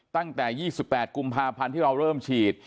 ตั้งแต่๒๘กุมภาพันธ์ที่เราเริ่มฉีด